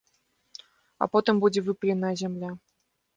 А потым будзе выпаленая зямля.